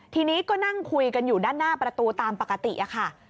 ทีนี้ก็นั่งคุยกันอยู่ด้านหน้าประตูตามปกติค่ะ